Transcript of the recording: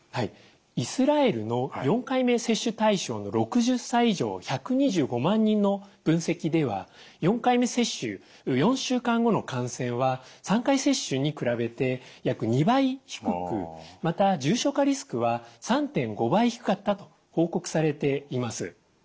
イスラエルの４回目接種対象の６０歳以上１２５万人の分析では４回目接種４週間後の感染は３回接種に比べて約２倍低くまた重症化リスクは３．５倍低かったと報告されています。